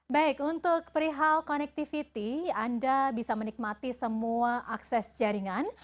baik untuk perihal connectivity anda bisa menikmati semua akses jaringan